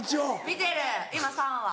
見てる今３話。